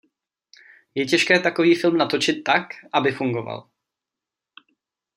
Je těžké takový film natočit tak, aby fungoval.